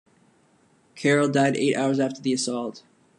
Carroll died eight hours after the assault.